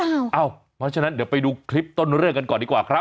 เพราะฉะนั้นเดี๋ยวไปดูคลิปต้นเรื่องกันก่อนดีกว่าครับ